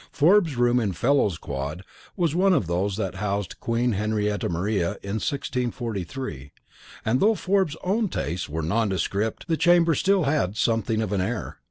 Forbes's room in Fellows' Quad was one of those that had housed Queen Henrietta Maria in 1643, and though Forbes's own tastes were nondescript the chamber still had something of an air.